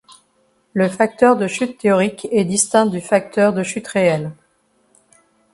Le facteur de chute théorique est distinct du facteur de chute réel.